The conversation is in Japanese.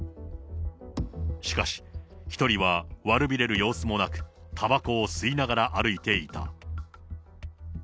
しかし、１人は悪びれる様子もなく、たばこを吸いながら歩いていた。